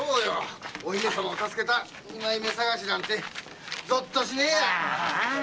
お姫様を助けた二枚目捜しなんてぞっとしねえや。